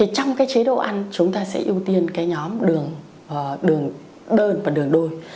trong chế độ ăn chúng ta sẽ ưu tiên nhóm đường đơn và đường đôi